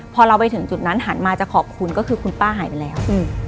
พอเราไปถึงจุดนั้นหันมาจะขอบคุณก็คือคุณป้าหายไปแล้ว